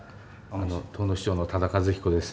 遠野市長の多田一彦です。